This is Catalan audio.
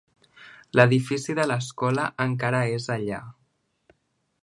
L'edifici de l'escola encara és allà.